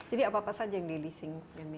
jadi apa apa saja yang di leasing